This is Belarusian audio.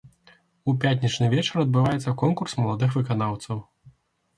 У пятнічны вечар адбываецца конкурс маладых выканаўцаў.